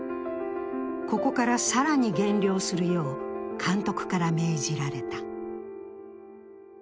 ここから更に減量するよう監督から命じられた。